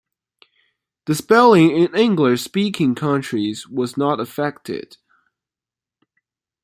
The spelling in English-speaking countries was not affected.